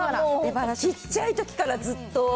もうちっちゃいときからずっと。